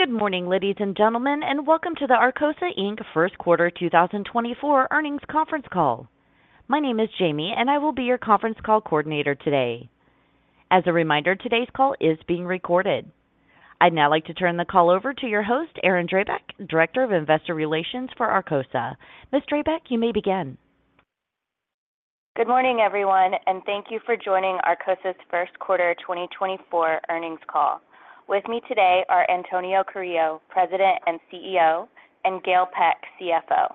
Good morning, ladies and gentlemen, and welcome to the Arcosa, Inc. First Quarter 2024 Earnings Conference Call. My name is Jamie, and I will be your conference call coordinator today. As a reminder, today's call is being recorded. I'd now like to turn the call over to your host, Erin Drabek, Director of Investor Relations for Arcosa. Ms. Drabek, you may begin. Good morning, everyone, and thank you for joining Arcosa's First Quarter 2024 Earnings Call. With me today are Antonio Carrillo, President and CEO, and Gail Peck, CFO.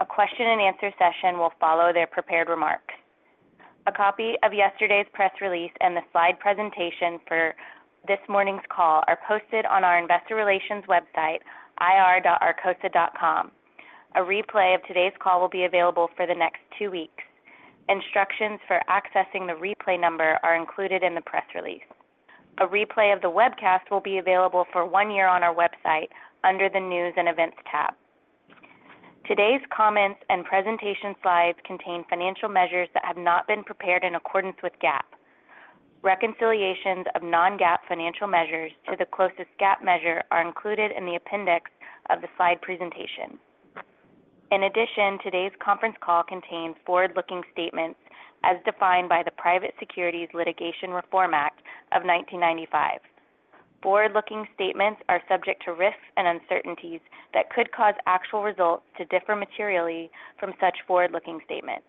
A question and answer session will follow their prepared remarks. A copy of yesterday's press release and the slide presentation for this morning's call are posted on our investor relations website, ir.arcosa.com. A replay of today's call will be available for the next two weeks. Instructions for accessing the replay number are included in the press release. A replay of the webcast will be available for one year on our website under the News and Events tab. Today's comments and presentation slides contain financial measures that have not been prepared in accordance with GAAP. Reconciliations of non-GAAP financial measures to the closest GAAP measure are included in the appendix of the slide presentation. In addition, today's conference call contains forward-looking statements as defined by the Private Securities Litigation Reform Act of 1995. Forward-looking statements are subject to risks and uncertainties that could cause actual results to differ materially from such forward-looking statements.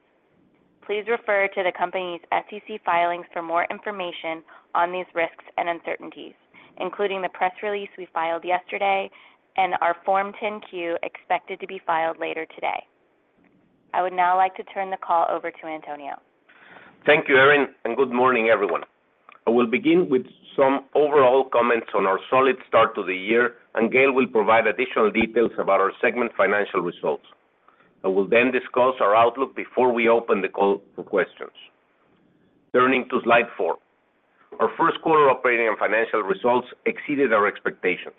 Please refer to the company's SEC filings for more information on these risks and uncertainties, including the press release we filed yesterday and our Form 10-Q, expected to be filed later today. I would now like to turn the call over to Antonio. Thank you, Erin, and good morning, everyone. I will begin with some overall comments on our solid start to the year, and Gail will provide additional details about our segment financial results. I will then discuss our outlook before we open the call for questions. Turning to slide four. Our first quarter operating and financial results exceeded our expectations.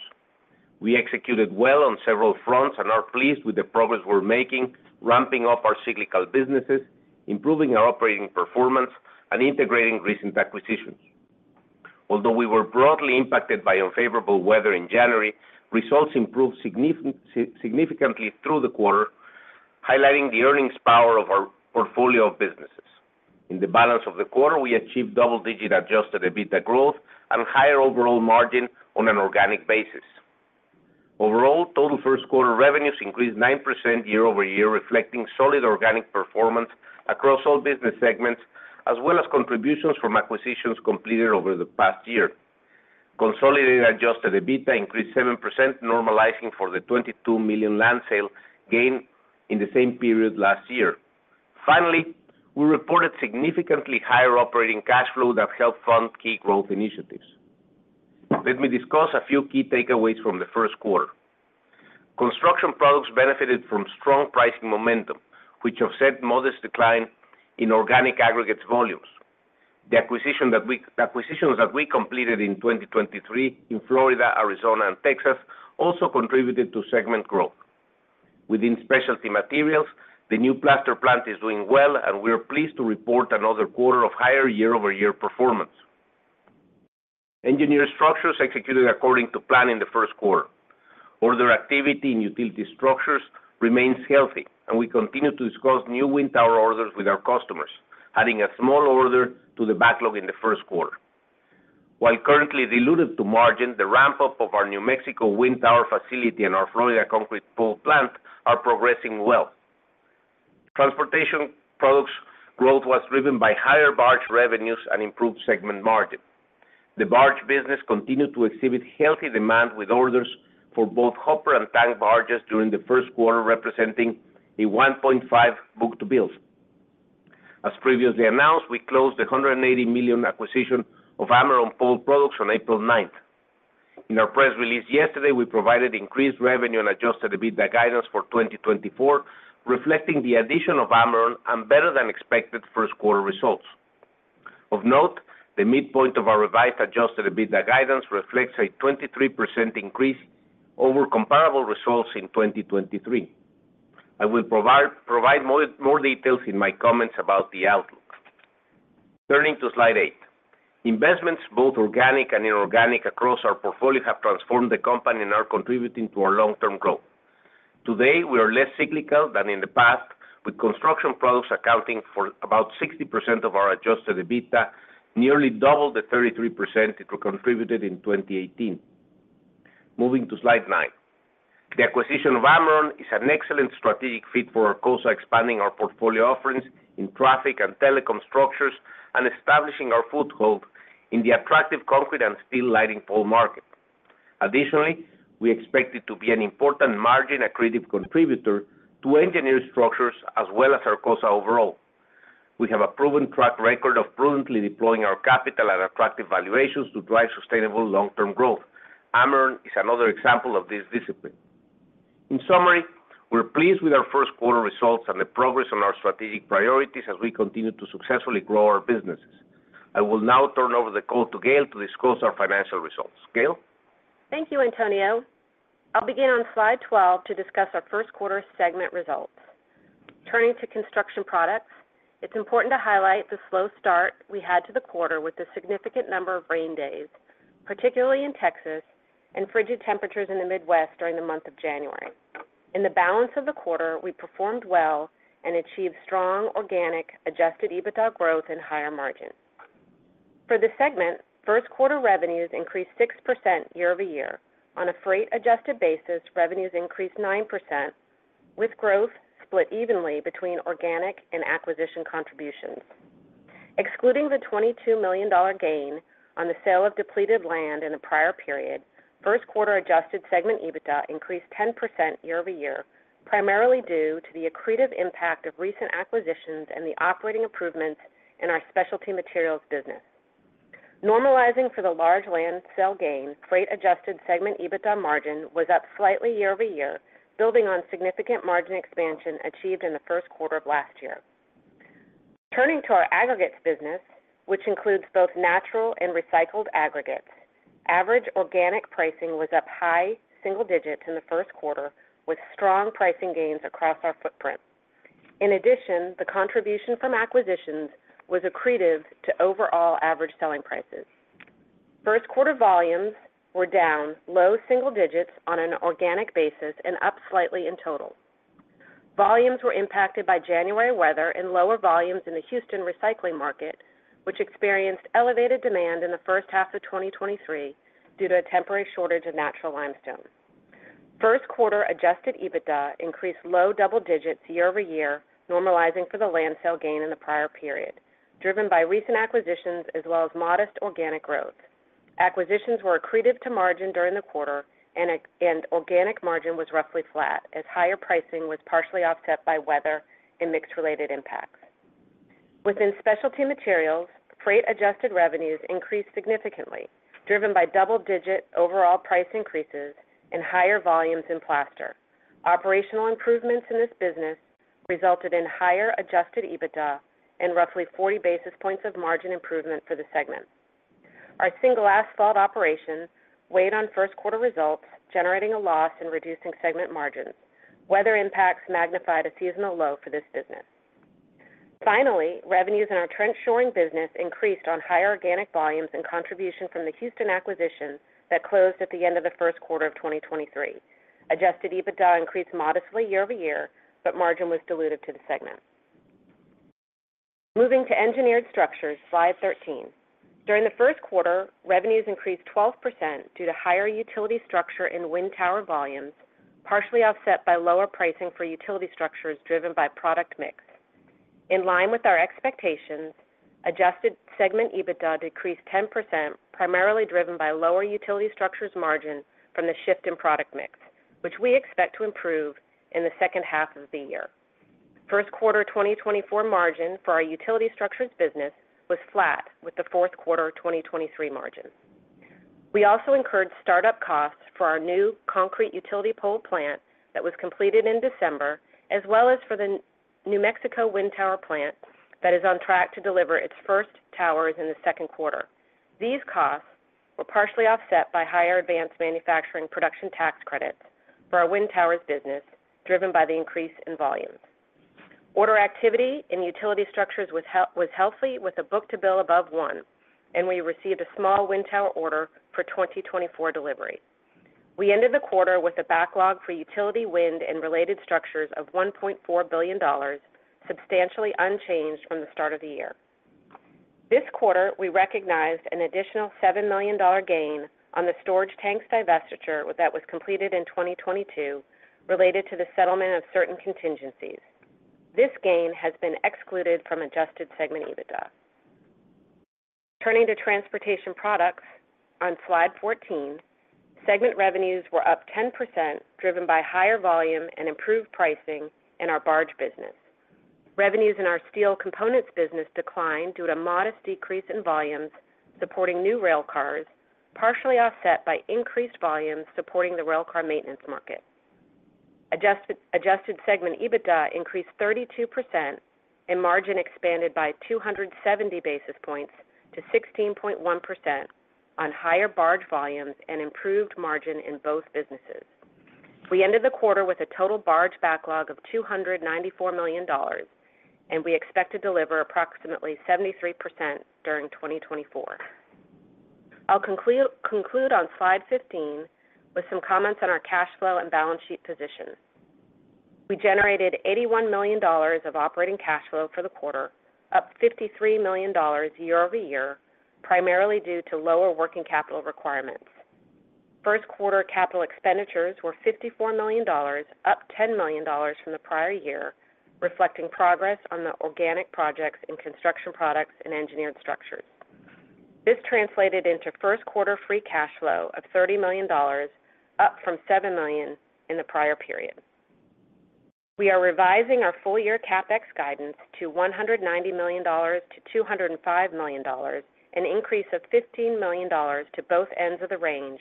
We executed well on several fronts and are pleased with the progress we're making, ramping up our cyclical businesses, improving our operating performance, and integrating recent acquisitions. Although we were broadly impacted by unfavorable weather in January, results improved significantly through the quarter, highlighting the earnings power of our portfolio of businesses. In the balance of the quarter, we achieved double-digit Adjusted EBITDA growth and higher overall margin on an organic basis. Overall, total first quarter revenues increased 9% year-over-year, reflecting solid organic performance across all business segments, as well as contributions from acquisitions completed over the past year. Consolidated adjusted EBITDA increased 7%, normalizing for the $22 million land sale gain in the same period last year. Finally, we reported significantly higher operating cash flow that helped fund key growth initiatives. Let me discuss a few key takeaways from the first quarter. Construction products benefited from strong pricing momentum, which offset modest decline in organic aggregates volumes. The acquisitions that we completed in 2023 in Florida, Arizona, and Texas also contributed to segment growth. Within Specialty Materials, the new plaster plant is doing well, and we are pleased to report another quarter of higher year-over-year performance. Engineered Structures executed according to plan in the first quarter. Order activity in utility structures remains healthy, and we continue to discuss new wind tower orders with our customers, adding a small order to the backlog in the first quarter. While currently dilutive to margin, the ramp-up of our New Mexico wind tower facility and our Florida concrete pole plant are progressing well. Transportation products growth was driven by higher barge revenues and improved segment margin. The barge business continued to exhibit healthy demand, with orders for both hopper and tank barges during the first quarter, representing a 1.5 book-to-bill. As previously announced, we closed the $180 million acquisition of Ameron Pole Products on April 9. In our press release yesterday, we provided increased revenue and Adjusted EBITDA guidance for 2024, reflecting the addition of Ameron and better-than-expected first quarter results. Of note, the midpoint of our revised Adjusted EBITDA guidance reflects a 23% increase over comparable results in 2023. I will provide more details in my comments about the outlook. Turning to slide eight. Investments, both organic and inorganic, across our portfolio have transformed the company and are contributing to our long-term growth. Today, we are less cyclical than in the past, with construction products accounting for about 60% of our adjusted EBITDA, nearly double the 33% it contributed in 2018. Moving to slide nine. The acquisition of Ameron is an excellent strategic fit for Arcosa, expanding our portfolio offerings in traffic and telecom structures and establishing our foothold in the attractive concrete and steel lighting pole market. Additionally, we expect it to be an important margin accretive contributor to Engineered Structures as well as Arcosa overall. We have a proven track record of prudently deploying our capital at attractive valuations to drive sustainable long-term growth. Ameron is another example of this discipline. In summary, we're pleased with our first quarter results and the progress on our strategic priorities as we continue to successfully grow our businesses. I will now turn over the call to Gail to discuss our financial results. Gail? Thank you, Antonio. I'll begin on slide 12 to discuss our first quarter segment results.... Turning to Construction Products, it's important to highlight the slow start we had to the quarter with a significant number of rain days, particularly in Texas, and frigid temperatures in the Midwest during the month of January. In the balance of the quarter, we performed well and achieved strong organic Adjusted EBITDA growth and higher margins. For the segment, first quarter revenues increased 6% year-over-year. On a freight-adjusted basis, revenues increased 9%, with growth split evenly between organic and acquisition contributions. Excluding the $22 million gain on the sale of depleted land in the prior period, first quarter adjusted segment EBITDA increased 10% year-over-year, primarily due to the accretive impact of recent acquisitions and the operating improvements in our Specialty Materials business. Normalizing for the large land sale gain, freight adjusted segment EBITDA margin was up slightly year-over-year, building on significant margin expansion achieved in the first quarter of last year. Turning to our aggregates business, which includes both natural and recycled aggregates, average organic pricing was up high single digits in the first quarter, with strong pricing gains across our footprint. In addition, the contribution from acquisitions was accretive to overall average selling prices. First quarter volumes were down low single digits on an organic basis and up slightly in total. Volumes were impacted by January weather and lower volumes in the Houston recycling market, which experienced elevated demand in the first half of 2023 due to a temporary shortage of natural limestone. First quarter adjusted EBITDA increased low double digits year-over-year, normalizing for the land sale gain in the prior period, driven by recent acquisitions as well as modest organic growth. Acquisitions were accretive to margin during the quarter, and organic margin was roughly flat as higher pricing was partially offset by weather and mix-related impacts. Within Specialty Materials, freight adjusted revenues increased significantly, driven by double-digit overall price increases and higher volumes in plaster. Operational improvements in this business resulted in higher adjusted EBITDA and roughly 40 basis points of margin improvement for the segment. Our single asphalt operation weighed on first quarter results, generating a loss and reducing segment margins. Weather impacts magnified a seasonal low for this business. Finally, revenues in our trench shoring business increased on higher organic volumes and contribution from the Houston acquisition that closed at the end of the first quarter of 2023. Adjusted EBITDA increased modestly year-over-year, but margin was diluted to the segment. Moving to Engineered Structures, slide 13. During the first quarter, revenues increased 12% due to higher utility structure and wind tower volumes, partially offset by lower pricing for utility structures driven by product mix. In line with our expectations, adjusted segment EBITDA decreased 10%, primarily driven by lower utility structures margin from the shift in product mix, which we expect to improve in the second half of the year. First quarter 2024 margin for our utility structures business was flat with the fourth quarter 2023 margin. We also incurred startup costs for our new concrete utility pole plant that was completed in December, as well as for the New Mexico wind tower plant that is on track to deliver its first towers in the second quarter. These costs were partially offset by higher advanced manufacturing production tax credits for our wind towers business, driven by the increase in volumes. Order activity in utility structures was healthy, with a book-to-bill above one, and we received a small wind tower order for 2024 delivery. We ended the quarter with a backlog for utility, wind, and related structures of $1.4 billion, substantially unchanged from the start of the year. This quarter, we recognized an additional $7 million gain on the storage tanks divestiture that was completed in 2022 related to the settlement of certain contingencies. This gain has been excluded from adjusted segment EBITDA. Turning to Transportation Products on slide 14, segment revenues were up 10%, driven by higher volume and improved pricing in our barge business. Revenues in our steel components business declined due to a modest decrease in volumes, supporting new railcars, partially offset by increased volumes supporting the railcar maintenance market. Adjusted segment EBITDA increased 32%, and margin expanded by 270 basis points to 16.1% on higher barge volumes and improved margin in both businesses. We ended the quarter with a total barge backlog of $294 million, and we expect to deliver approximately 73% during 2024. I'll conclude on slide 15 with some comments on our cash flow and balance sheet positions. We generated $81 million of operating cash flow for the quarter, up $53 million year-over-year, primarily due to lower working capital requirements. First quarter capital expenditures were $54 million, up $10 million from the prior year, reflecting progress on the organic projects in construction products and Engineered structures. This translated into first quarter free cash flow of $30 million, up from $7 million in the prior period. We are revising our full-year CapEx guidance to $190 million-$205 million, an increase of $15 million to both ends of the range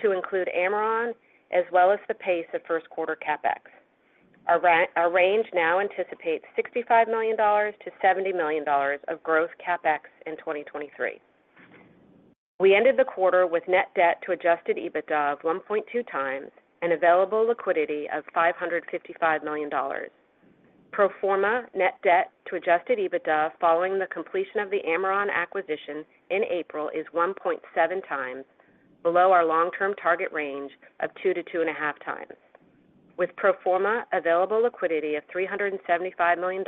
to include Ameron as well as the pace of first quarter CapEx. Our range now anticipates $65 million-$70 million of growth CapEx in 2023. We ended the quarter with net debt to adjusted EBITDA of 1.2 times, and available liquidity of $555 million. Pro forma net debt to adjusted EBITDA following the completion of the Ameron acquisition in April is 1.7 times, below our long-term target range of 2-2.5 times. With pro forma available liquidity of $375 million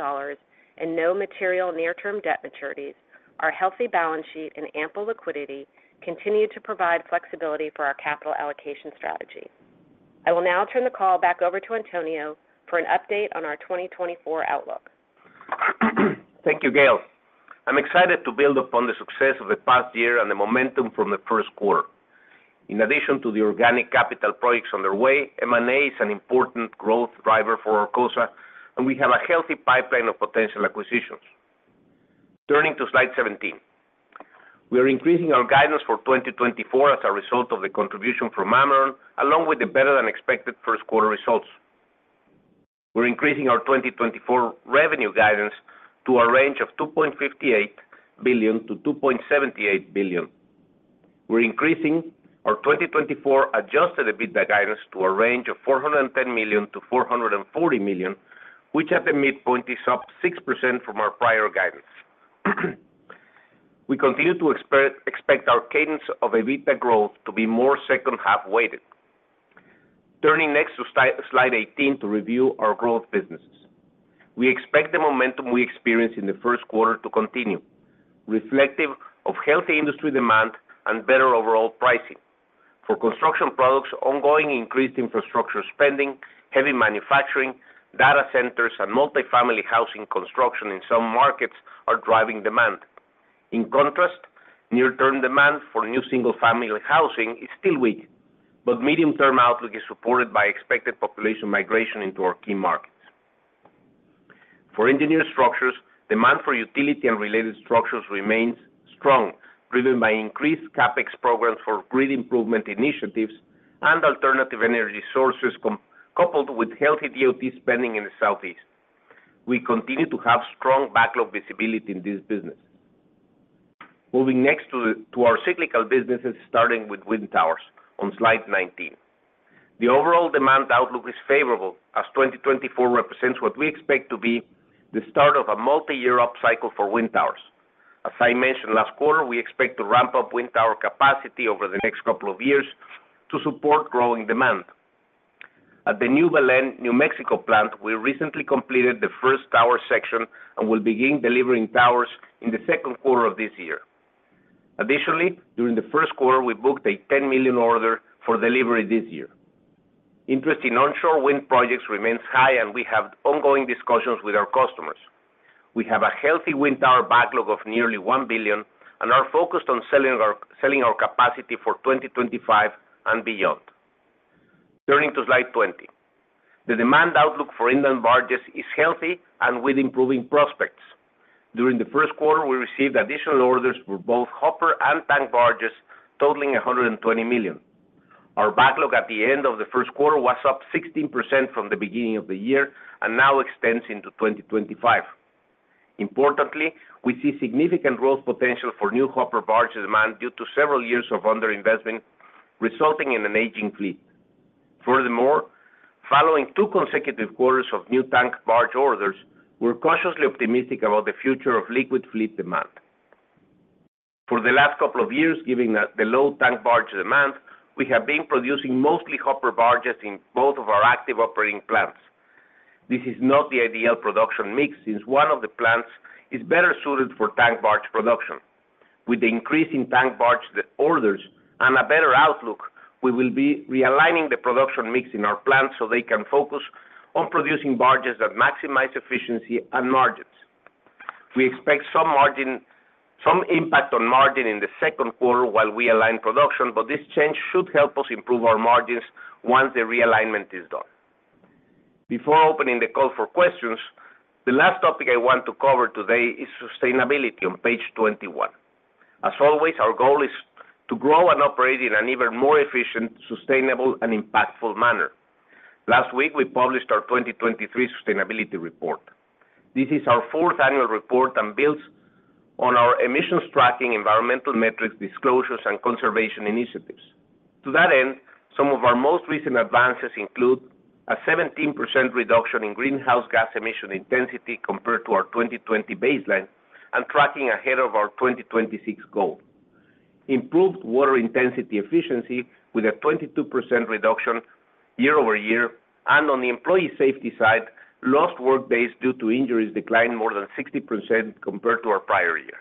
and no material near-term debt maturities, our healthy balance sheet and ample liquidity continue to provide flexibility for our capital allocation strategy. I will now turn the call back over to Antonio for an update on our 2024 outlook. Thank you, Gail. I'm excited to build upon the success of the past year and the momentum from the first quarter. In addition to the organic capital projects on their way, M&A is an important growth driver for Arcosa, and we have a healthy pipeline of potential acquisitions. Turning to slide 17. We are increasing our guidance for 2024 as a result of the contribution from Ameron, along with the better-than-expected first quarter results. We're increasing our 2024 revenue guidance to a range of $2.58 billion-$2.78 billion. We're increasing our 2024 Adjusted EBITDA guidance to a range of $410 million-$440 million, which at the midpoint, is up 6% from our prior guidance. We continue to expect our cadence of EBITDA growth to be more second half weighted. Turning next to slide 18 to review our growth businesses. We expect the momentum we experienced in the first quarter to continue, reflective of healthy industry demand and better overall pricing. For construction products, ongoing increased infrastructure spending, heavy manufacturing, data centers, and multifamily housing construction in some markets are driving demand. In contrast, near-term demand for new single-family housing is still weak, but medium-term outlook is supported by expected population migration into our key markets. For Engineered structures, demand for utility and related structures remains strong, driven by increased CapEx programs for grid improvement initiatives and alternative energy sources coupled with healthy DOT spending in the Southeast. We continue to have strong backlog visibility in this business. Moving next to our cyclical businesses, starting with wind towers on slide 19. The overall demand outlook is favorable, as 2024 represents what we expect to be the start of a multi-year upcycle for wind towers. As I mentioned last quarter, we expect to ramp up wind tower capacity over the next couple of years to support growing demand. At the new Belen, New Mexico plant, we recently completed the first tower section and will begin delivering towers in the second quarter of this year. Additionally, during the first quarter, we booked a $10 million order for delivery this year. Interest in onshore wind projects remains high, and we have ongoing discussions with our customers. We have a healthy wind tower backlog of nearly $1 billion and are focused on selling our, selling our capacity for 2025 and beyond. Turning to slide 20. The demand outlook for inland barges is healthy and with improving prospects. During the first quarter, we received additional orders for both hopper and tank barges, totaling $120 million. Our backlog at the end of the first quarter was up 16% from the beginning of the year and now extends into 2025. Importantly, we see significant growth potential for new hopper barge demand due to several years of underinvestment, resulting in an aging fleet. Furthermore, following two consecutive quarters of new tank barge orders, we're cautiously optimistic about the future of liquid fleet demand. For the last couple of years, given the low tank barge demand, we have been producing mostly hopper barges in both of our active operating plants. This is not the ideal production mix, since one of the plants is better suited for tank barge production. With the increase in tank barge, the orders and a better outlook, we will be realigning the production mix in our plants so they can focus on producing barges that maximize efficiency and margins. We expect some impact on margin in the second quarter while we align production, but this change should help us improve our margins once the realignment is done. Before opening the call for questions, the last topic I want to cover today is sustainability on page 21. As always, our goal is to grow and operate in an even more efficient, sustainable and impactful manner. Last week, we published our 2023 sustainability report. This is our fourth annual report and builds on our emissions tracking, environmental metrics, disclosures, and conservation initiatives. To that end, some of our most recent advances include a 17% reduction in greenhouse gas emission intensity compared to our 2020 baseline, and tracking ahead of our 2026 goal. Improved water intensity efficiency with a 22% reduction year-over-year, and on the employee safety side, lost work days due to injuries declined more than 60% compared to our prior year.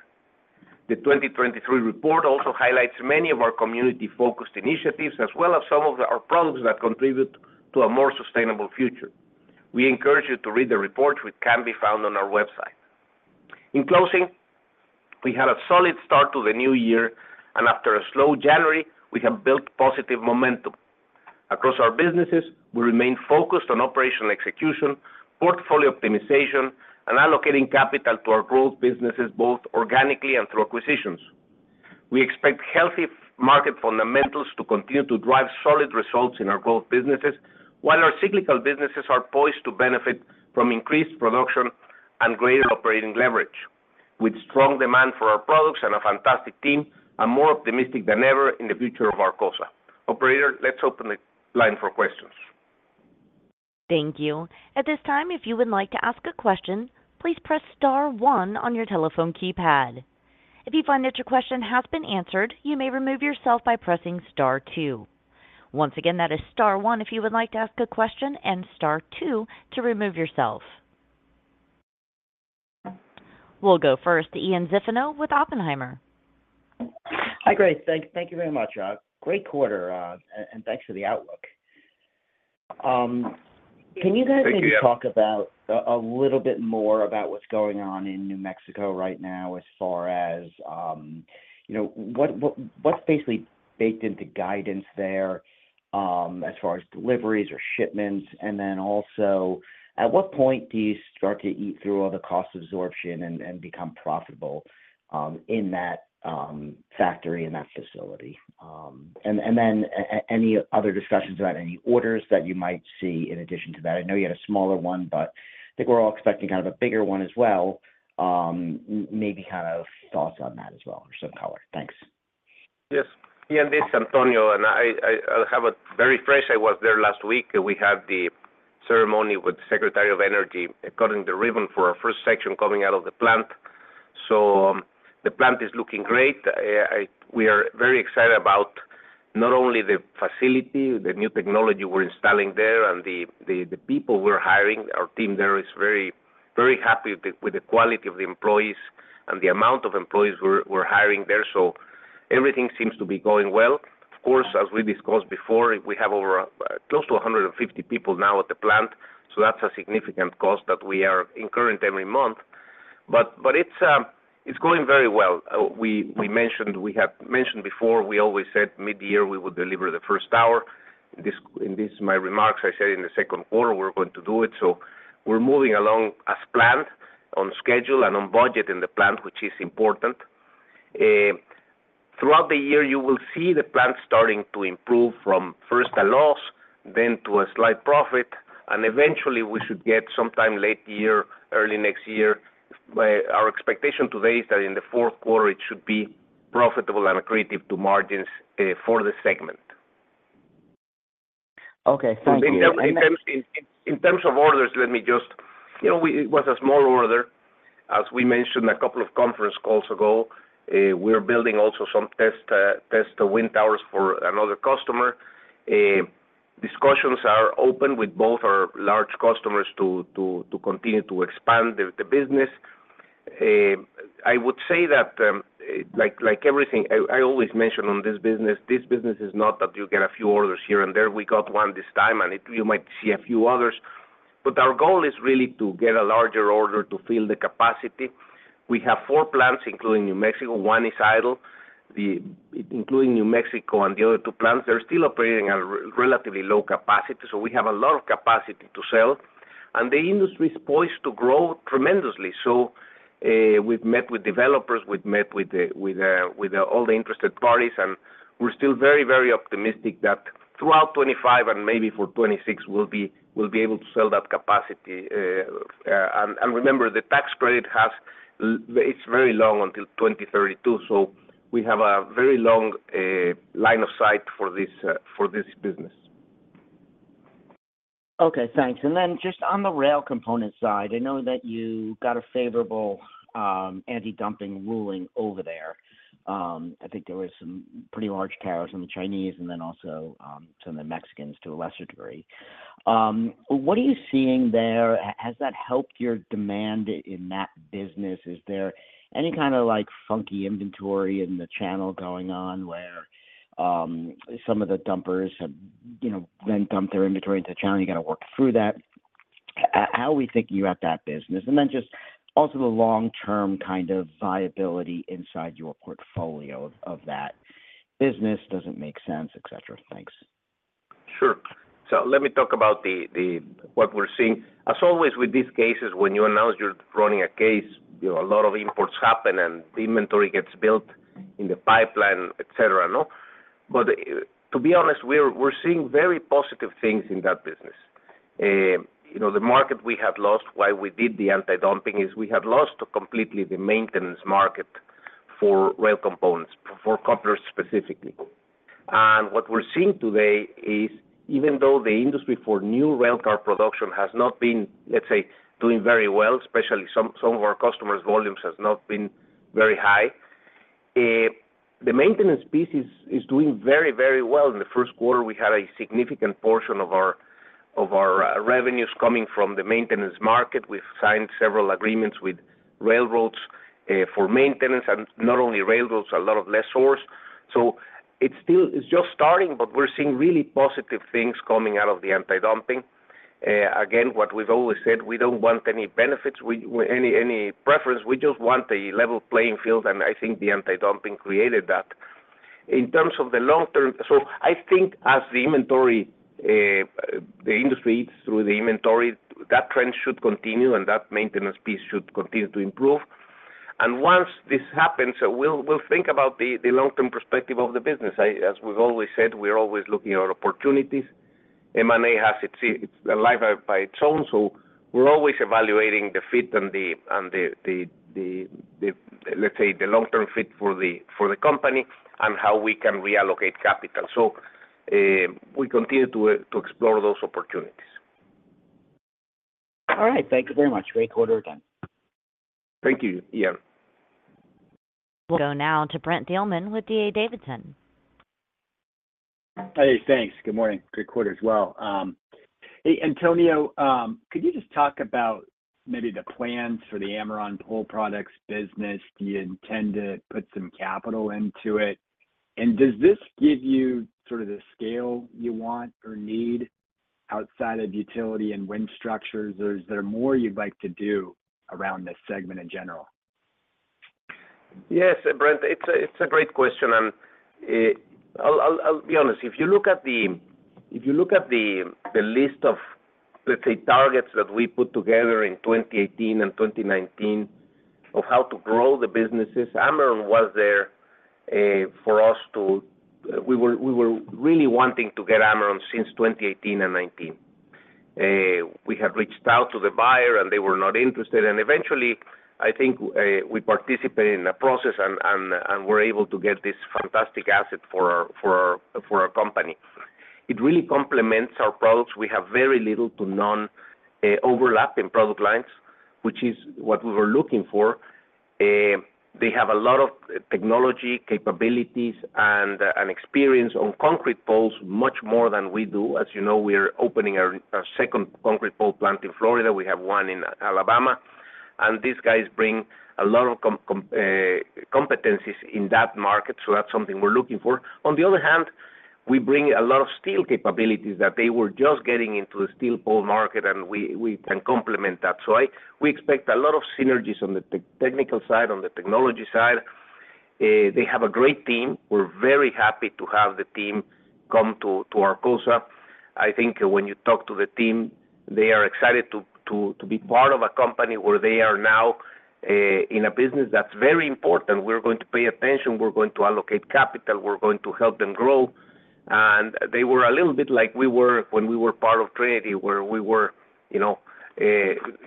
The 2023 report also highlights many of our community-focused initiatives, as well as some of our products that contribute to a more sustainable future. We encourage you to read the report, which can be found on our website. In closing, we had a solid start to the new year, and after a slow January, we have built positive momentum. Across our businesses, we remain focused on operational execution, portfolio optimization, and allocating capital to our growth businesses, both organically and through acquisitions. We expect healthy market fundamentals to continue to drive solid results in our growth businesses, while our cyclical businesses are poised to benefit from increased production and greater operating leverage. With strong demand for our products and a fantastic team, I'm more optimistic than ever in the future of Arcosa. Operator, let's open the line for questions. Thank you. At this time, if you would like to ask a question, please press star one on your telephone keypad. If you find that your question has been answered, you may remove yourself by pressing star two. Once again, that is star one if you would like to ask a question, and star two to remove yourself. We'll go first to Ian Zaffino with Oppenheimer. Hi, great. Thank you very much. Great quarter, and thanks for the outlook. Can you guys- Thank you. Maybe talk about a little bit more about what's going on in New Mexico right now as far as, you know, what's basically baked into guidance there, as far as deliveries or shipments? And then also, at what point do you start to eat through all the cost absorption and become profitable, in that factory, in that facility? And then any other discussions about any orders that you might see in addition to that? I know you had a smaller one, but I think we're all expecting kind of a bigger one as well. Maybe kind of thoughts on that as well or some color. Thanks. Yes. Ian, this is Antonio, and I have it very fresh. I was there last week, and we had the ceremony with the Secretary of Energy, cutting the ribbon for our first section coming out of the plant. So the plant is looking great. We are very excited about not only the facility, the new technology we're installing there, and the people we're hiring. Our team there is very, very happy with the quality of the employees and the amount of employees we're hiring there. So everything seems to be going well. Of course, as we discussed before, we have over, close to 150 people now at the plant, so that's a significant cost that we are incurring every month. But it's going very well. We mentioned, we have mentioned before, we always said midyear we would deliver the first tower. In this my remarks, I said in the second quarter we're going to do it. So we're moving along as planned, on schedule, and on budget in the plant, which is important. Throughout the year, you will see the plant starting to improve from first a loss, then to a slight profit, and eventually we should get sometime late year, early next year. Our expectation today is that in the fourth quarter, it should be profitable and accretive to margins, for the segment. Okay, thank you. In terms of orders, let me just... You know, we, it was a small order. As we mentioned a couple of conference calls ago, we are building also some test wind towers for another customer. Discussions are open with both our large customers to continue to expand the business. I would say that, like everything I always mention on this business, this business is not that you get a few orders here and there. We got one this time, and it, you might see a few others, but our goal is really to get a larger order to fill the capacity. We have four plants, including New Mexico. One is idle. The including New Mexico and the other two plants, they're still operating at a relatively low capacity. So we have a lot of capacity to sell, and the industry is poised to grow tremendously. So, we've met with developers, we've met with the, with, with all the interested parties, and we're still very, very optimistic that throughout 2025 and maybe for 2026, we'll be, we'll be able to sell that capacity. And, and remember, the tax credit has, it's very long, until 2032, so we have a very long line of sight for this, for this business. Okay, thanks. And then just on the rail component side, I know that you got a favorable antidumping ruling over there. I think there was some pretty large tariffs on the Chinese and then also some of the Mexicans to a lesser degree. What are you seeing there? Has that helped your demand in that business? Is there any kinda like funky inventory in the channel going on, where some of the dumpers have, you know, then dumped their inventory into the channel, you gotta work through that? How are we thinking about that business? And then just also the long-term kind of viability inside your portfolio of that business. Does it make sense, et cetera? Thanks. Sure. So let me talk about the what we're seeing. As always, with these cases, when you announce you're running a case, you know, a lot of imports happen, and inventory gets built in the pipeline, et cetera, no? But to be honest, we're seeing very positive things in that business. You know, the market we had lost while we did the antidumping is we had lost completely the maintenance market for rail components, for couplers specifically. And what we're seeing today is, even though the industry for new railcar production has not been, let's say, doing very well, especially some of our customers' volumes has not been very high, the maintenance piece is doing very, very well. In the first quarter, we had a significant portion of our revenues coming from the maintenance market. We've signed several agreements with railroads for maintenance, and not only railroads, a lot of lessors. So it's still, it's just starting, but we're seeing really positive things coming out of the antidumping. Again, what we've always said, we don't want any benefits, any preference, we just want a level playing field, and I think the antidumping created that. In terms of the long term. So I think as the inventory, the industry eats through the inventory, that trend should continue, and that maintenance piece should continue to improve. And once this happens, we'll think about the long-term perspective of the business. As we've always said, we're always looking at opportunities. M&A has its, it's alive by its own, so we're always evaluating the fit and the long-term fit for the company and how we can reallocate capital. So, we continue to explore those opportunities. All right. Thank you very much. Great quarter again. Thank you. Yeah. We'll go now to Brent Thielman with D.A. Davidson. Hey, thanks. Good morning. Great quarter as well. Hey, Antonio, could you just talk about maybe the plans for the Ameron Pole Products business? Do you intend to put some capital into it? And does this give you sort of the scale you want or need outside of utility and wind structures, or is there more you'd like to do around this segment in general? Yes, Brent, it's a great question, and I'll be honest. If you look at the list of, let's say, targets that we put together in 2018 and 2019 of how to grow the businesses, Ameron was there for us. We were really wanting to get Ameron since 2018 and 2019. We had reached out to the buyer, and they were not interested, and eventually, I think, we participated in a process and were able to get this fantastic asset for our company. It really complements our products. We have very little to none overlap in product lines, which is what we were looking for. They have a lot of technology capabilities and experience on concrete poles, much more than we do. As you know, we are opening our second concrete pole plant in Florida. We have one in Alabama, and these guys bring a lot of competencies in that market, so that's something we're looking for. On the other hand, we bring a lot of steel capabilities that they were just getting into the steel pole market, and we can complement that. We expect a lot of synergies on the technical side, on the technology side. They have a great team. We're very happy to have the team come to Arcosa. I think when you talk to the team, they are excited to be part of a company where they are now in a business that's very important. We're going to pay attention, we're going to allocate capital, we're going to help them grow. And they were a little bit like we were when we were part of Trinity, where we were, you know,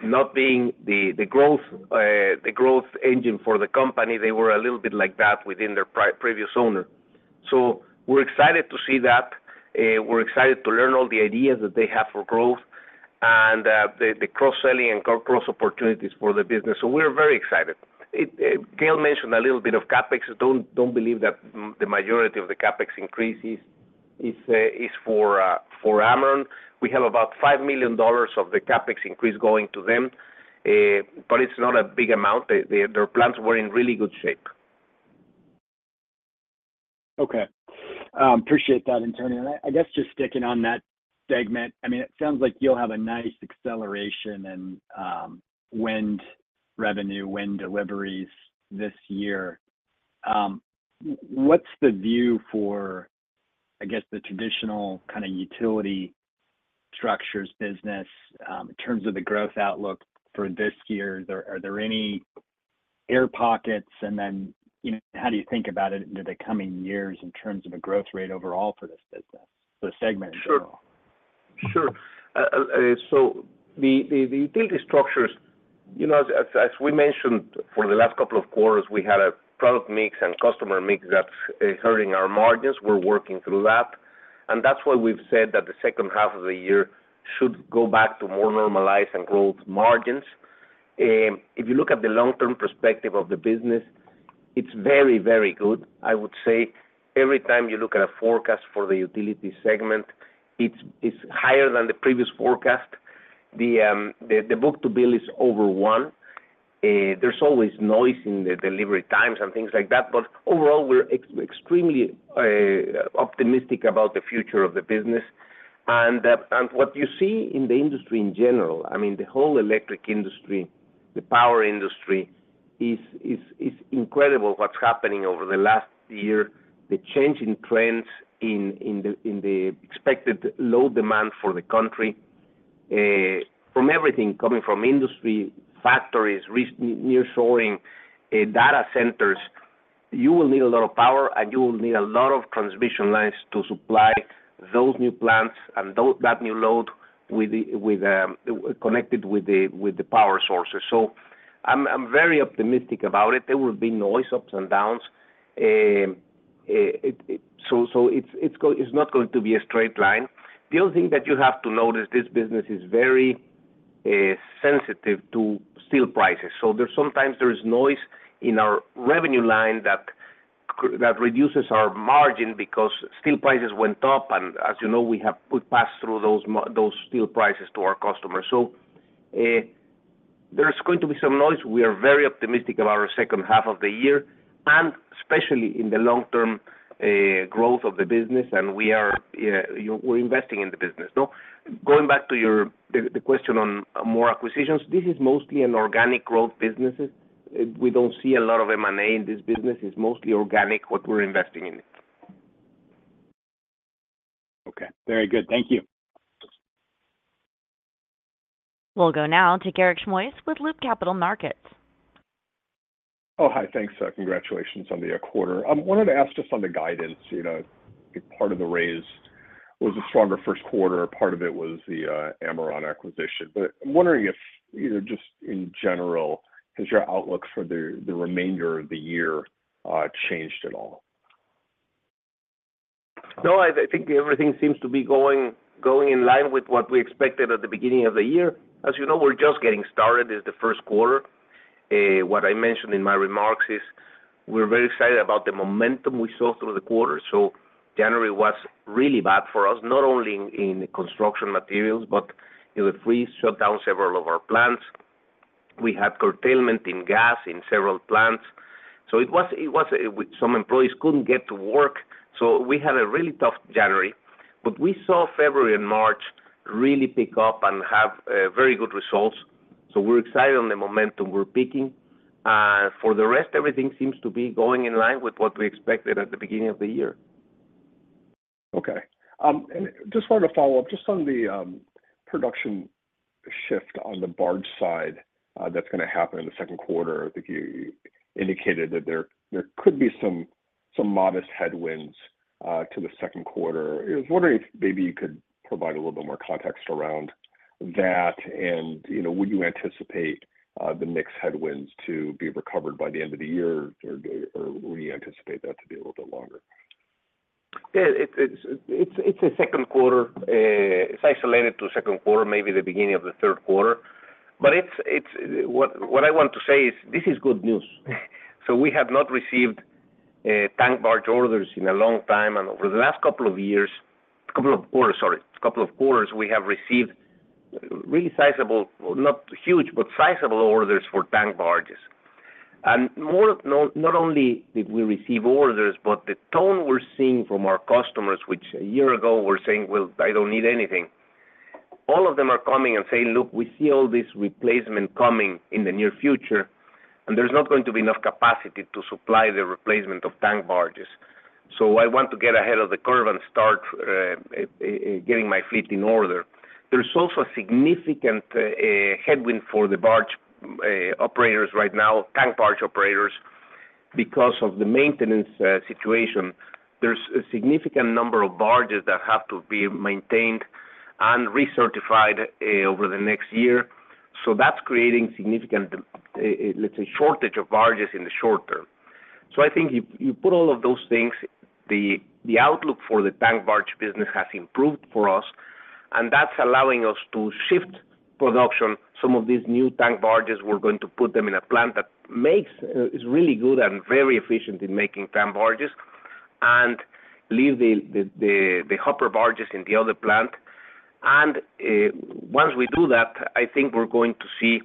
not being the growth engine for the company. They were a little bit like that within their previous owner. So we're excited to see that. We're excited to learn all the ideas that they have for growth and the cross-selling and cross opportunities for the business. So we're very excited. Gail mentioned a little bit of CapEx. Don't believe that the majority of the CapEx increases is for Ameron. We have about $5 million of the CapEx increase going to them, but it's not a big amount. Their plants were in really good shape. Okay. Appreciate that, Antonio. I guess just sticking on that segment. I mean, it sounds like you'll have a nice acceleration in wind revenue, wind deliveries this year. What's the view for, I guess, the traditional kind of utility structures business in terms of the growth outlook for this year? Are there any air pockets? And then, you know, how do you think about it into the coming years in terms of a growth rate overall for this business, the segment in general? Sure. Sure. So the utility structures, you know, as we mentioned, for the last couple of quarters, we had a product mix and customer mix that's hurting our margins. We're working through that, and that's why we've said that the second half of the year should go back to more normalized and growth margins. If you look at the long-term perspective of the business, it's very, very good. I would say every time you look at a forecast for the utility segment, it's higher than the previous forecast. The book-to-bill is over one. There's always noise in the delivery times and things like that, but overall, we're extremely optimistic about the future of the business. And what you see in the industry in general, I mean, the whole electric industry, the power industry, is incredible what's happening over the last year. The change in trends in the expected load demand for the country, from everything coming from industry, factories, nearshoring, data centers, you will need a lot of power, and you will need a lot of transmission lines to supply those new plants and that new load with the power sources connected with the power sources. So I'm very optimistic about it. There will be noise, ups and downs. It, so it's not going to be a straight line. The other thing that you have to note is this business is very sensitive to steel prices. So there's sometimes noise in our revenue line that reduces our margin because steel prices went up, and as you know, we have we pass through those steel prices to our customers. So there's going to be some noise. We are very optimistic about our second half of the year, and especially in the long term growth of the business, and we are, you know, we're investing in the business. So going back to your question on more acquisitions, this is mostly an organic growth businesses. We don't see a lot of M&A in this business. It's mostly organic, what we're investing in it. Okay. Very good. Thank you. We'll go now to Garik Shmois with Loop Capital Markets. Oh, hi. Thanks, congratulations on the quarter. Wanted to ask just on the guidance, you know, if part of the raise was a stronger first quarter, or part of it was the Ameron acquisition. But I'm wondering if, you know, just in general, has your outlook for the remainder of the year changed at all? No, I think everything seems to be going in line with what we expected at the beginning of the year. As you know, we're just getting started, it's the first quarter. What I mentioned in my remarks is, we're very excited about the momentum we saw through the quarter. So January was really bad for us, not only in construction materials, but, you know, we shut down several of our plants. We had curtailment in gas in several plants, so it was some employees couldn't get to work, so we had a really tough January. But we saw February and March really pick up and have very good results, so we're excited on the momentum we're picking. For the rest, everything seems to be going in line with what we expected at the beginning of the year. Okay. And just wanted to follow up, just on the production shift on the barge side, that's gonna happen in the second quarter. I think you indicated that there, there could be some, some modest headwinds to the second quarter. I was wondering if maybe you could provide a little bit more context around that, and, you know, would you anticipate the mix headwinds to be recovered by the end of the year, or do we anticipate that to be a little bit longer? Yeah, it's a second quarter, it's isolated to second quarter, maybe the beginning of the third quarter. But it's... What I want to say is, this is good news. So we have not received tank barge orders in a long time, and over the last couple of years, couple of quarters, sorry, couple of quarters, we have received really sizable, not huge, but sizable orders for tank barges. And not only did we receive orders, but the tone we're seeing from our customers, which a year ago were saying, "Well, I don't need anything," all of them are coming and saying, "Look, we see all this replacement coming in the near future, and there's not going to be enough capacity to supply the replacement of tank barges. So I want to get ahead of the curve and start getting my fleet in order." There's also a significant headwind for the barge operators right now, tank barge operators, because of the maintenance situation. There's a significant number of barges that have to be maintained and recertified over the next year, so that's creating significant, let's say, shortage of barges in the short term. So I think if you put all of those things, the outlook for the tank barge business has improved for us, and that's allowing us to shift production. Some of these new tank barges, we're going to put them in a plant that is really good and very efficient in making tank barges, and leave the hopper barges in the other plant. Once we do that, I think we're going to see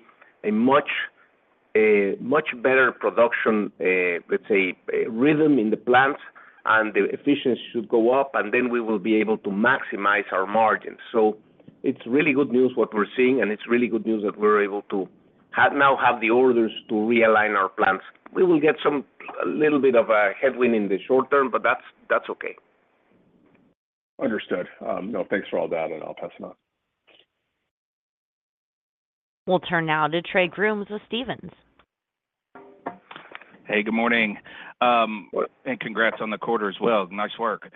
a much, much better production, let's say, rhythm in the plants, and the efficiency should go up, and then we will be able to maximize our margins. So it's really good news, what we're seeing, and it's really good news that we're able to have, now have the orders to realign our plants. We will get a little bit of a headwind in the short term, but that's okay. Understood. No, thanks for all that, and I'll pass it on. We'll turn now to Trey Grooms with Stephens. Hey, good morning. And congrats on the quarter as well. Nice work.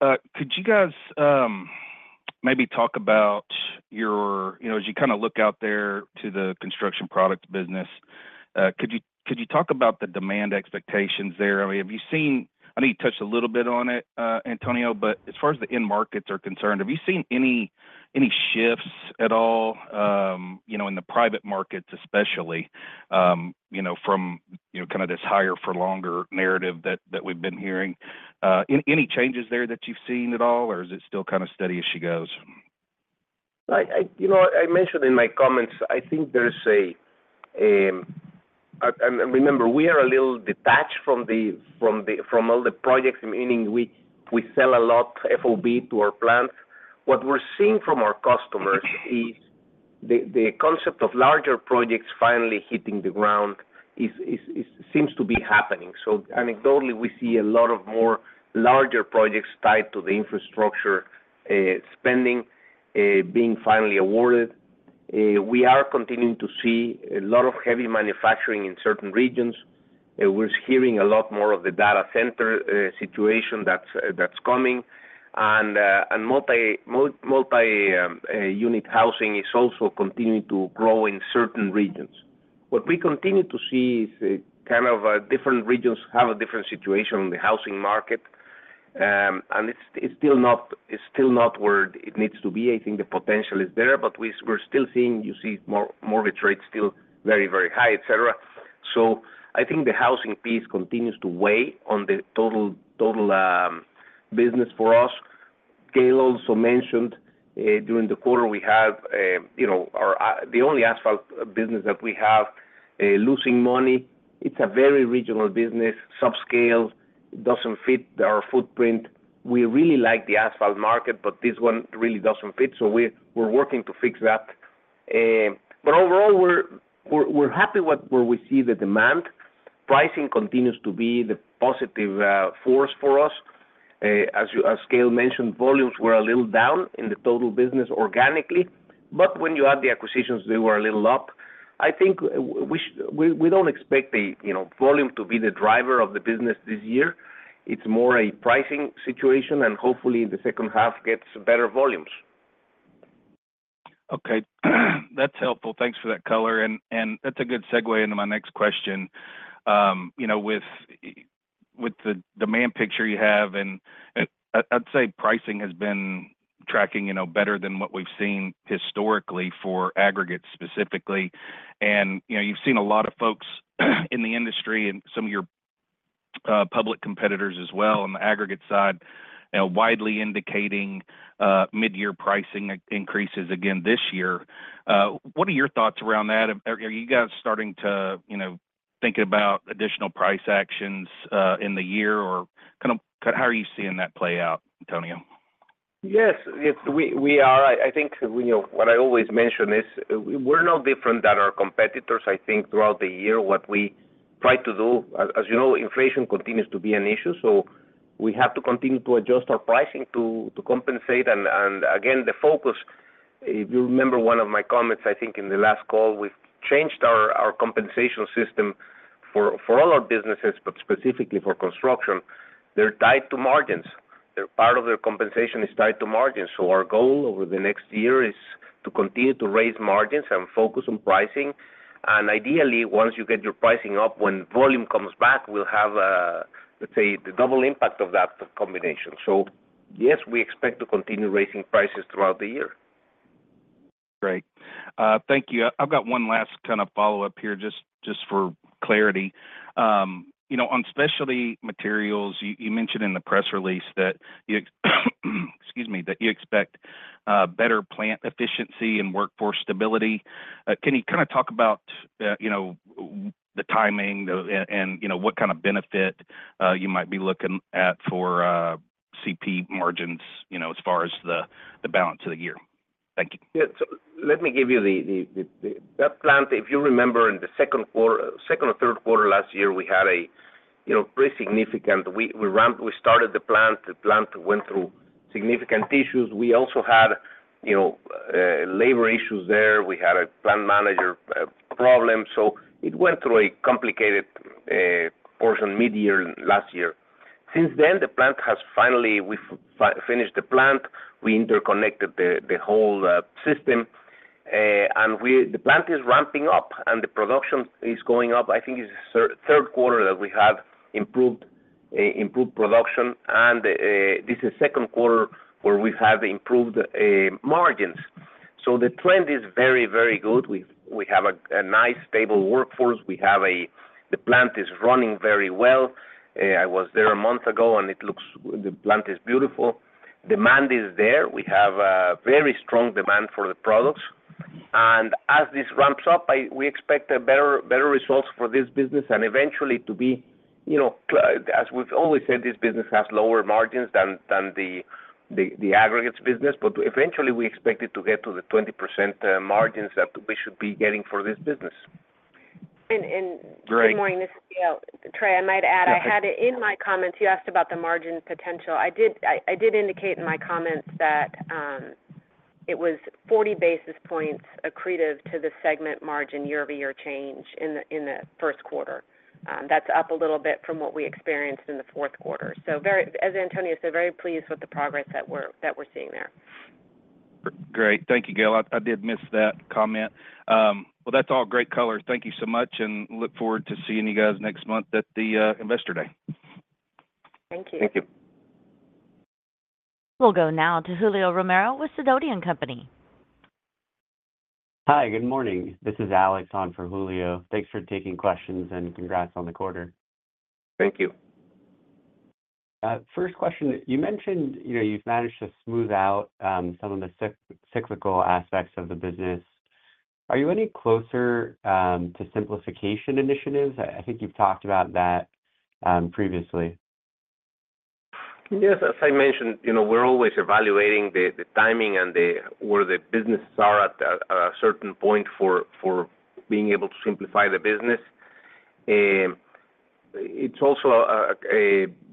Could you guys, maybe talk about your... You know, as you kinda look out there to the construction product business, could you, could you talk about the demand expectations there? I mean, have you seen- I know you touched a little bit on it, Antonio, but as far as the end markets are concerned, have you seen any, any shifts at all, you know, in the private markets especially, you know, from, you know, kind of this higher for longer narrative that, that we've been hearing? Any, any changes there that you've seen at all, or is it still kind of steady as she goes? You know, I mentioned in my comments, I think there's a And remember, we are a little detached from all the projects, meaning we sell a lot FOB to our plants. What we're seeing from our customers is the concept of larger projects finally hitting the ground seems to be happening. So anecdotally, we see a lot more larger projects tied to the infrastructure spending being finally awarded. We are continuing to see a lot of heavy manufacturing in certain regions. We're hearing a lot more of the data center situation that's coming. And multi-unit housing is also continuing to grow in certain regions. What we continue to see is kind of different regions have a different situation on the housing market. And it's still not where it needs to be. I think the potential is there, but we're still seeing you see more mortgage rates still very, very high, et cetera. So I think the housing piece continues to weigh on the total business for us. Gail also mentioned during the quarter, we have you know our, the only asphalt business that we have losing money. It's a very regional business, subscale, doesn't fit our footprint. We really like the asphalt market, but this one really doesn't fit, so we're working to fix that. But overall we're happy with where we see the demand. Pricing continues to be the positive force for us. As Gail mentioned, volumes were a little down in the total business organically, but when you add the acquisitions, they were a little up. I think we don't expect you know, volume to be the driver of the business this year. It's more a pricing situation, and hopefully the second half gets better volumes. Okay. That's helpful. Thanks for that color, and that's a good segue into my next question. You know, with the demand picture you have, and I'd say pricing has been tracking, you know, better than what we've seen historically for aggregates specifically. And, you know, you've seen a lot of folks in the industry and some of your public competitors as well on the aggregate side, widely indicating mid-year pricing increases again this year. What are your thoughts around that? Are you guys starting to, you know, think about additional price actions in the year, or kind of, how are you seeing that play out, Antonio? Yes, we are. I think, you know, what I always mention is, we're no different than our competitors. I think throughout the year, what we try to do, as you know, inflation continues to be an issue, so we have to continue to adjust our pricing to compensate. And again, the focus, if you remember one of my comments, I think, in the last call, we've changed our compensation system for all our businesses, but specifically for construction. They're tied to margins. Part of their compensation is tied to margins. So our goal over the next year is to continue to raise margins and focus on pricing, and ideally, once you get your pricing up, when volume comes back, we'll have, let's say, the double impact of that combination. So yes, we expect to continue raising prices throughout the year. Great. Thank you. I've got one last kind of follow-up here, just for clarity. You know, on Specialty Materials, you mentioned in the press release that you, excuse me, that you expect better plant efficiency and workforce stability. Can you kind of talk about, you know, the timing, and what kind of benefit you might be looking at for CP margins, you know, as far as the balance of the year? Thank you. Yeah. So let me give you that plant, if you remember in the second quarter, second or third quarter last year, we had, you know, pretty significant—we ramped—we started the plant, the plant went through significant issues. We also had, you know, labor issues there. We had a plant manager problem, so it went through a complicated portion mid-year last year. Since then, the plant has finally, we've finished the plant. We interconnected the whole system, and the plant is ramping up, and the production is going up. I think it's the third quarter that we have improved production, and this is second quarter where we have improved margins. So the trend is very, very good. We've—we have a nice, stable workforce. We have a... The plant is running very well. I was there a month ago, and the plant is beautiful. Demand is there. We have a very strong demand for the products, and as this ramps up, we expect better results for this business, and eventually to be, you know, as we've always said, this business has lower margins than the aggregates business, but eventually we expect it to get to the 20% margins that we should be getting for this business. And, and- Great. Good morning, this is Gail. Trey, I might add- Yeah. I had it in my comments. You asked about the margin potential. I did indicate in my comments that it was 40 basis points accretive to the segment margin year-over-year change in the first quarter. That's up a little bit from what we experienced in the fourth quarter. So very, as Antonio said, very pleased with the progress that we're seeing there. Great. Thank you, Gail. I did miss that comment. Well, that's all great color. Thank you so much, and look forward to seeing you guys next month at the Investor Day. Thank you. Thank you. We'll go now to Julio Romero with Sidoti & Company. Hi, good morning. This is Alex on for Julio. Thanks for taking questions, and congrats on the quarter. Thank you. First question, you mentioned, you know, you've managed to smooth out some of the cyclical aspects of the business. Are you any closer to simplification initiatives? I think you've talked about that previously. Yes, as I mentioned, you know, we're always evaluating the timing and where the businesses are at a certain point for being able to simplify the business. It's also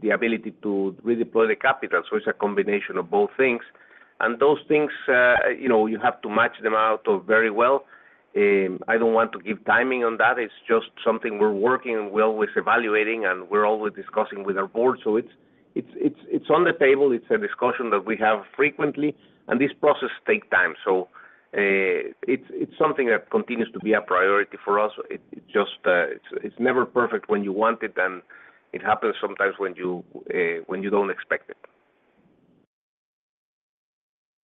the ability to redeploy the capital, so it's a combination of both things. And those things, you know, you have to match them out very well. I don't want to give timing on that. It's just something we're working on, we're always evaluating, and we're always discussing with our board. So it's on the table. It's a discussion that we have frequently, and this process take time. So it's something that continues to be a priority for us. It just, it's never perfect when you want it, and it happens sometimes when you don't expect it.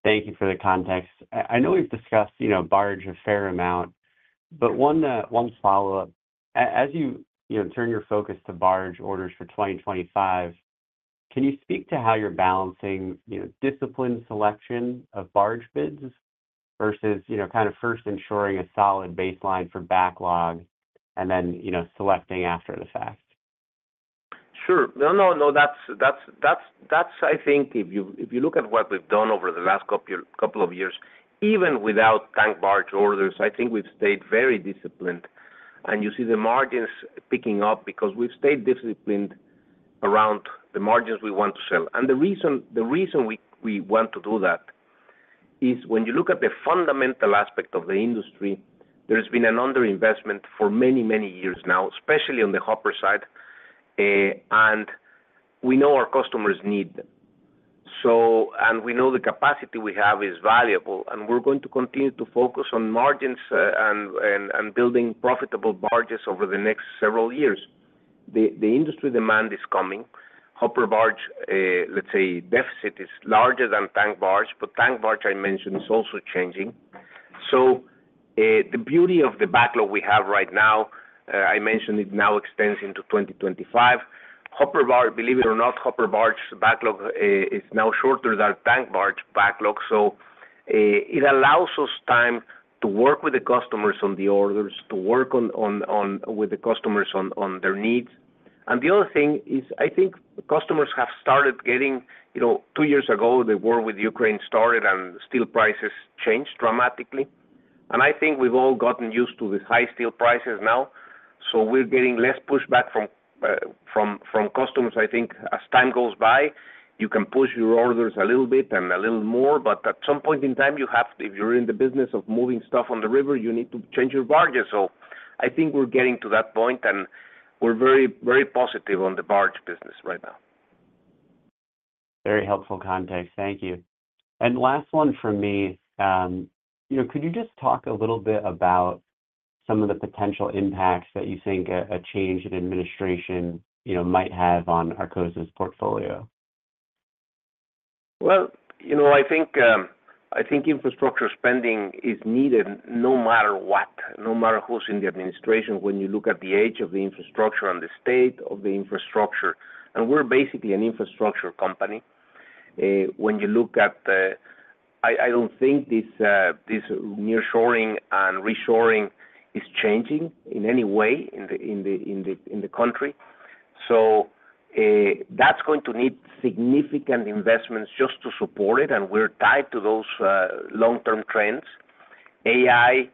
Thank you for the context. I know we've discussed, you know, barge a fair amount, but one, one follow-up: As you, you know, turn your focus to barge orders for 2025, can you speak to how you're balancing, you know, disciplined selection of barge bids versus, you know, kind of first ensuring a solid baseline for backlog and then, you know, selecting after the fact? ... Sure. No, no, no, that's. I think if you look at what we've done over the last couple of years, even without tank barge orders, I think we've stayed very disciplined. And you see the margins picking up because we've stayed disciplined around the margins we want to sell. And the reason we want to do that is when you look at the fundamental aspect of the industry, there's been an underinvestment for many years now, especially on the hopper side, and we know our customers need them. So, and we know the capacity we have is valuable, and we're going to continue to focus on margins and building profitable barges over the next several years. The industry demand is coming. Hopper barge, let's say, deficit is larger than tank barge, but tank barge, I mentioned, is also changing. So, the beauty of the backlog we have right now, I mentioned it now extends into 2025. Hopper barge, believe it or not, hopper barge backlog is now shorter than tank barge backlog. So, it allows us time to work with the customers on the orders, to work with the customers on their needs. And the other thing is, I think customers have started getting... You know, two years ago, the war with Ukraine started and steel prices changed dramatically. And I think we've all gotten used to the high steel prices now, so we're getting less pushback from customers. I think as time goes by, you can push your orders a little bit and a little more, but at some point in time, you have to, if you're in the business of moving stuff on the river, you need to change your barges. So I think we're getting to that point, and we're very, very positive on the barge business right now. Very helpful context. Thank you. Last one from me. You know, could you just talk a little bit about some of the potential impacts that you think a change in administration, you know, might have on Arcosa's portfolio? Well, you know, I think infrastructure spending is needed no matter what, no matter who's in the administration, when you look at the age of the infrastructure and the state of the infrastructure, and we're basically an infrastructure company. I don't think this nearshoring and reshoring is changing in any way in the country. So, that's going to need significant investments just to support it, and we're tied to those long-term trends. AI,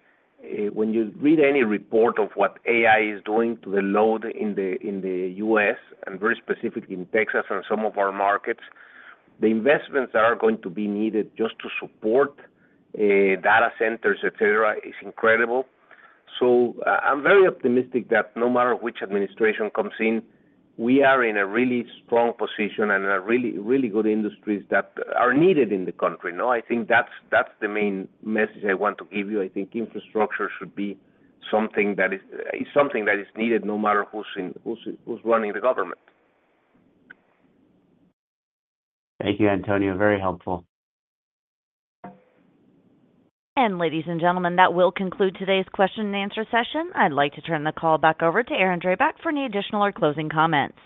when you read any report of what AI is doing to the load in the U.S., and very specifically in Texas and some of our markets, the investments that are going to be needed just to support data centers, et cetera, is incredible. So I'm very optimistic that no matter which administration comes in, we are in a really strong position and in a really, really good industries that are needed in the country, no? I think that's, that's the main message I want to give you. I think infrastructure should be something that is, is something that is needed no matter who's in, who's, who's running the government. Thank you, Antonio. Very helpful. Ladies and gentlemen, that will conclude today's question and answer session. I'd like to turn the call back over to Erin Drabek for any additional or closing comments.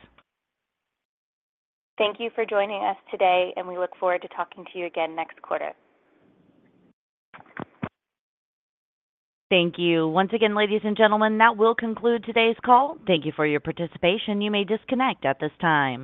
Thank you for joining us today, and we look forward to talking to you again next quarter. Thank you. Once again, ladies and gentlemen, that will conclude today's call. Thank you for your participation. You may disconnect at this time.